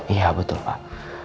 iya betul pak